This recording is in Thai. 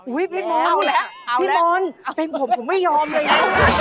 อุ๊ยพี่มอนพี่มอนเป็นผมผมไม่ยอมเลยนะ